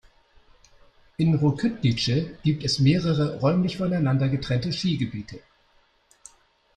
In Rokytnice gibt es mehrere räumlich voneinander getrennte Skigebiete.